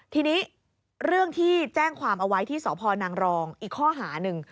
ทีนี้เรื่องที่แจ้งความเอาไว้ที่สพนางรองอีกข้อหาหนึ่ง